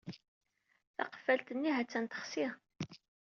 Taqeffalt-nni ha-tt-an texsi.